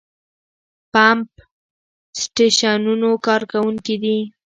پمپ سټېشنونو کارکوونکي دي.